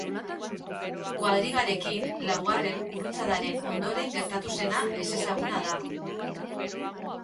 Koadrigarekin, laugarren gurutzadaren ondoren gertatu zena, ezezaguna da.